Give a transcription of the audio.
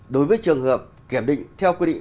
đối với trường hợp kiểm định theo quy định